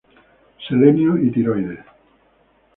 Selenio y tiroides.